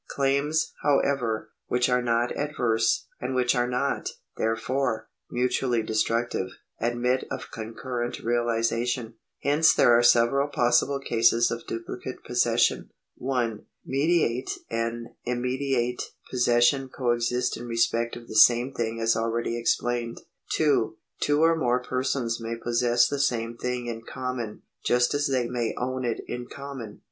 Claims, however, which are not adverse, and which are not, there fore, mutually destructive, admit of concurrent realisation. Hence there are several possible cases of duplicate possession. 1. Mediate and immediate possession coexist in respect of the same thing as already explained. 2. Two or more persons may possess the same thing in common, just as they may own it in common.